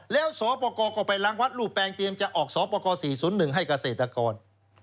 แล้วสปกรก็ไปล้างวัดรูปแปลงเตรียมจะออกสปก๔๐๑ให้เกษตรกร